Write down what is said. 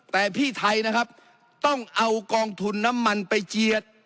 แต่พี่ไทยนะครับต้องเอากองทุนน้ำมันไปเจียด